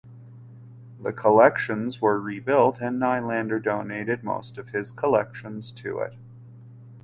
The collections were rebuilt and Nylander donated most of his collections to it.